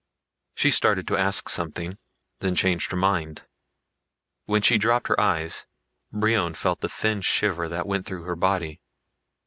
She started to ask something, then changed her mind. When she dropped her eyes Brion felt the thin shiver that went through her body.